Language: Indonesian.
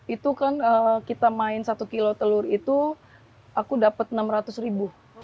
itu kan kita main satu kg telur itu aku dapat rp enam ratus